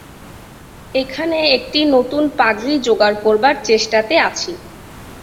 এখানে একটি নতুন পাগড়ি যোগাড় করবার চেষ্টাতে আছি।